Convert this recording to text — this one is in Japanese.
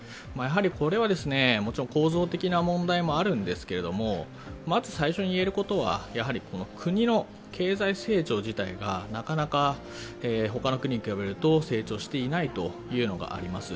これはもちろん構造的な問題もあるんですけれども、まず最初に言えることは、国の経済成長自体がなかなか他の国に比べると成長していないというのがあります。